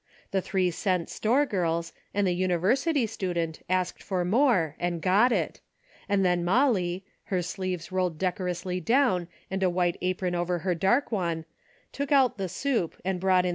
The three cent store girls and the university student asked for more and got it, and then Molly, her sleeves rolled decorously down and a white apron over her dark one, took out the soup and brought in 150 A DAILY BATE.'